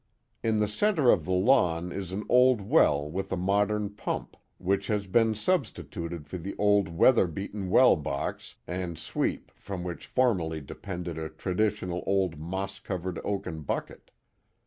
In the centre of the lawn is an old well with a modern pump, which The Famous Butler Mansion 189 has been substituted for the old weather beaten well box and sweep from which formerly depended a traditional old moss covered oaken bucket.